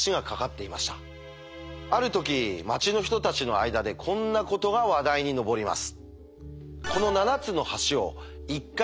ある時町の人たちの間でこんなことが話題に上ります。